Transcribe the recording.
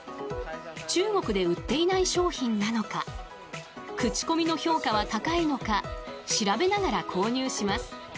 中国で売っていない商品なのか口コミの評価は高いのか調べながら購入します。